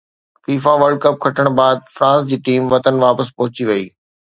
FIFA world cup کٽڻ بعد France جي ٽيم وطن واپس پهچي وئي